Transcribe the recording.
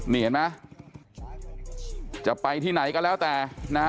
นี่เห็นไหมจะไปที่ไหนก็แล้วแต่นะ